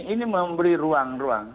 ini memberi ruang